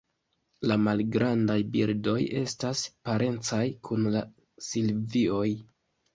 La malgrandaj birdoj estas parencaj kun la Silvioj.